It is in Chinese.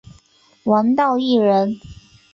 王道义人。